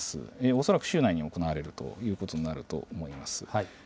恐らく週内にも行われるということになると思います。